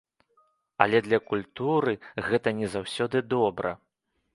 Але для культуры гэта не заўсёды добра.